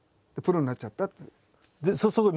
でプロになっちゃったっていう。